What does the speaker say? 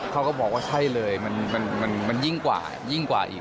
เขาก็บอกว่าใช่เลยมันยิ่งกว่ายิ่งกว่าอีก